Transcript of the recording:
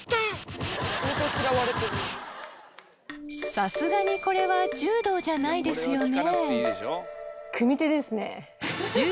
さすがにこれは柔道じゃないですよね？